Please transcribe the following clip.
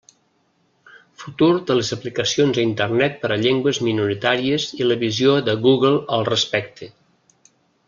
Futur de les aplicacions a Internet per a llengües minoritàries i la visió de Google al respecte.